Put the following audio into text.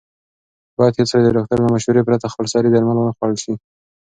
باید هېڅکله د ډاکټر له مشورې پرته خپلسري درمل ونه خوړل شي.